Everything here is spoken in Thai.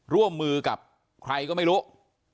ร่วมมือกับใครก็ไม่รู้